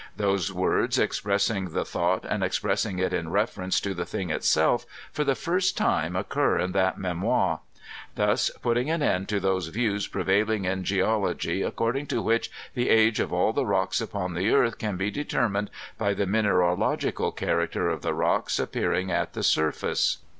Those words expressing the thought and expressing it in reference to the thing itself, for the first time occur in that memoir; thus putting an end to those views prevailing in geology, according to which the age of all the rocks upon the earth can be deter mined by the mineralogical character of the rocks appearing at the surface.